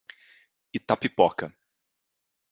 Itapipoca